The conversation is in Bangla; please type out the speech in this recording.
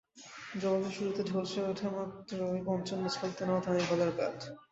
জবাবে শুরুতে ঝলসে ওঠে মাত্রই পঞ্চম ম্যাচ খেলতে নামা তামিম ইকবালের ব্যাট।